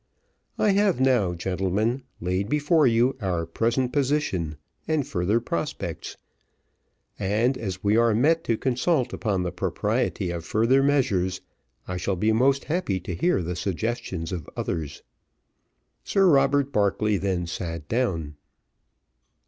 I have now, gentlemen, laid before you our present position and future prospects; and, as we are met to consult upon the propriety of further measures, I shall be most happy to hear the suggestions of others." Sir Robert Barclay then sat down.